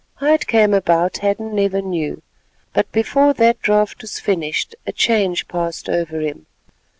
How it came about Hadden never knew, but before that draught was finished a change passed over him.